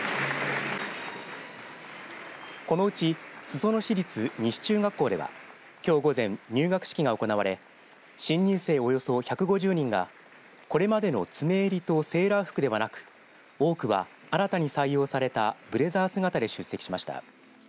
このうち裾野市立西中学校ではきょう午前、入学式が行われ新入生およそ１５０人がこれまでの詰め襟とセーラー服ではなく多くは新たに採用されたブレザー姿で出席しました。